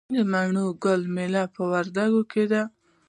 د مڼې ګل میله په وردګو کې ده.